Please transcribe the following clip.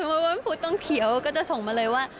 สมมุติวันพุธต้องเขียวก็จะส่งมาเลยว่า